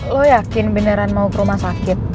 lo yakin beneran mau ke rumah sakit